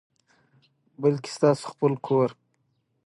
بلکي ستاسو خپل کور،